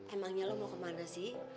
emangnya lo mau kemana sih